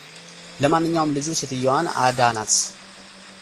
ለማንኛውም ልጁ ሴትየዋን አዳናት፡፡